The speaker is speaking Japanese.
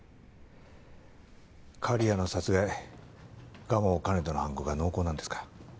刈谷の殺害蒲生兼人の犯行が濃厚なんですか？